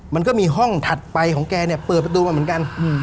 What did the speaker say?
มันก็มีห้องถัดไปของแกเนี่ยเปิดประตูมาเหมือนกัน